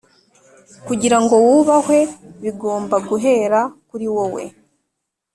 kugirango wubahwe bigomba guhera kuri wowe